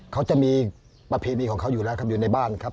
เขาจะมีประเพณีของเขาอยู่แล้วครับอยู่ในบ้านครับ